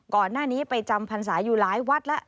ก่อนหน้านี้ไปจำพรรษาอยู่หลายวัดแล้ว